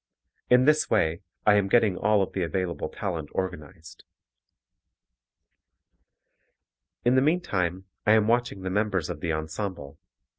In this way I am getting all of the available talent organized. In the meantime I am watching the members of the ensemble.